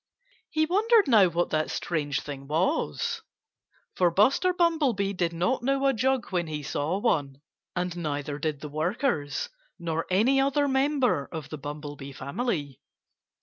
He wondered now what that strange thing was; for Buster Bumblebee did not know a jug when he saw one. And neither did the workers, nor any other member of the Bumblebee family.